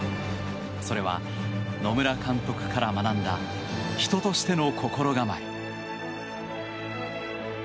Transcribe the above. それは、野村監督から学んだ人としての心構え。